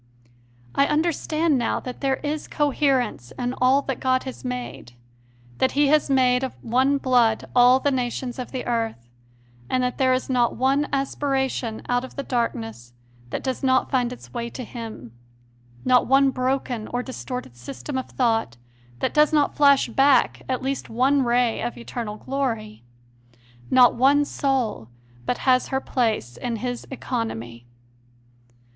I understand now that there is cohe rence in all that God has made that He has made of one blood all the nations of the earth; that there is not one aspiration out of the dark ness that does not find its way to Him; not one broken or distorted system of thought that does not flash back at least one ray of eternal glory; not one soul but has her place in His economy.